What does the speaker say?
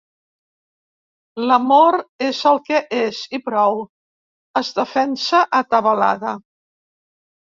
L'amor és el que és, i prou —es defensa, atabalada—.